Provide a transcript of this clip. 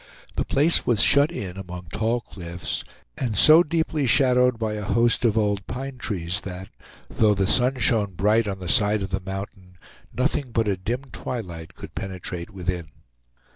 The place was shut in among tall cliffs, and so deeply shadowed by a host of old pine trees that, though the sun shone bright on the side of the mountain, nothing but a dim twilight could penetrate within.